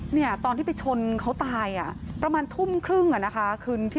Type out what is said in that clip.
เนี่ยตอนที่ไปชนเขาตายอ่ะประมาณทุ่มครึ่งอ่ะนะคะคืนที่